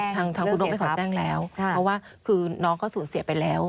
ทางคุณนกไม่ขอแจ้งแล้วเพราะว่าคือน้องเขาสูญเสียไปแล้ว